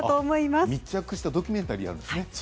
密着したドキュメンタリーをやるんですよね。